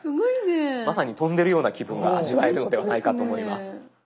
まさに飛んでるような気分が味わえるのではないかと思います。